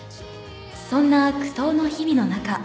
そんな苦闘の日々の中